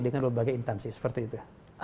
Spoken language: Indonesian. dengan berbagai intansi seperti itu